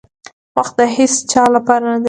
• وخت د هیڅ چا لپاره نه درېږي.